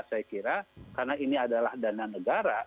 saya kira karena ini adalah dana negara